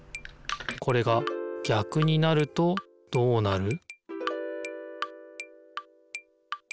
これが逆になるとどうなる？